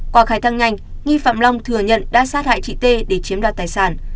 qua khai thăng nhanh nghi phạm long thừa nhận đã sát hại chị tê để chiếm đoạt tài sản